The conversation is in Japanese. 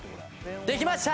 できました！